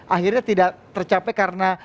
akhirnya tidak tercapai karena